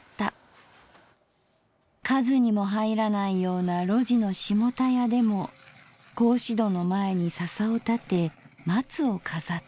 数にもはいらないような路地のしもたやでも格子戸の前に笹を立て松を飾った。